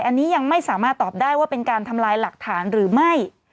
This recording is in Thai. อันนี้ยังไม่สามารถตอบได้ว่าเป็นการทำลายหลักฐานหรือไม่